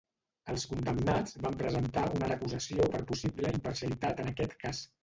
Els condemnats van presentar una recusació per possible imparcialitat en aquest cas.